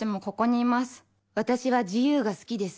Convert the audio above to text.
私は自由が好きです。